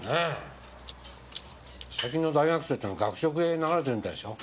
最近の大学生ってのは学食へ流れてるみたいですよ。